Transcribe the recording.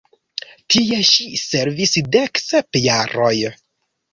Tie ŝi servis dek sep jaroj.